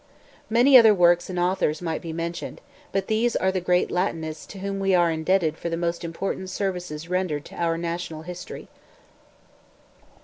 Many other works and authors might be mentioned, but these are the great Latinists to whom we are indebted for the most important services rendered to our national history.